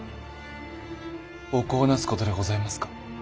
お子をなすことでございますか？